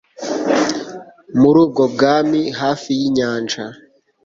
muri ubwo bwami hafi y'inyanja